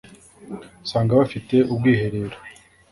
usanga bafite ubwiherero